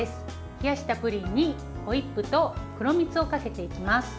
冷やしたプリンにホイップと黒蜜をかけていきます。